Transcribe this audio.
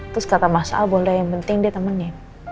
terus kata mas a boleh yang penting dia temennya